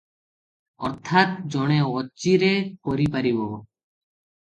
ଅର୍ଥାତ ଜଣେ ଅଚିରେ କରିପାରିବ ।